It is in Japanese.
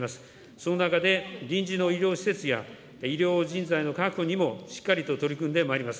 その中で臨時の医療施設や、医療人材の確保にも、しっかりと取り組んでまいります。